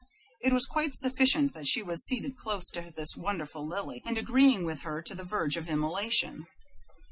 It was quite sufficient that she was seated close to this wonderful Lily, and agreeing with her to the verge of immolation.